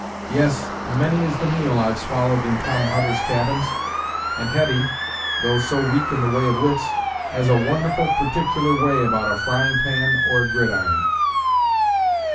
Yes, many is the meal I've swallowed in Tom Hutter's cabins; and Hetty, though so weak in the way of wits, has a wonderful particular way about a frying pan or a gridiron!